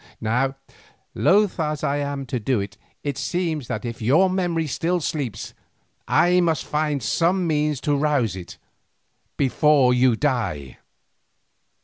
Now, loth as I am to do it, it seems that if your memory still sleeps, I must find some such means to rouse it—before you die."